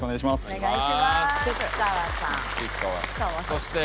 そして。